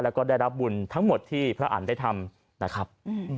แล้วก็ได้รับบุญทั้งหมดที่พระอันได้ทำนะครับ